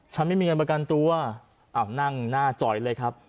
ไม่มีเงินประกันตัวอ้าวนั่งหน้าจอยเลยครับ